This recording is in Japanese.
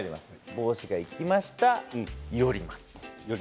帽子がいきます、寄ります。